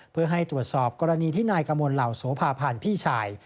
เพื่อให้ตรวจสอบกรณีที่นายกมลเหล่าโสภาพันธ์พี่ชาย